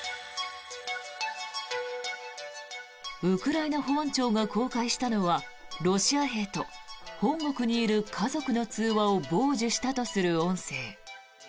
ウクライナ保安庁が公開したのはロシア兵と本国にいる家族の通話を傍受したとする音声。